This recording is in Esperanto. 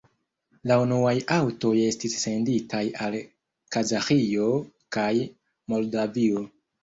La unuaj aŭtoj estis senditaj al Kazaĥio kaj Moldavio.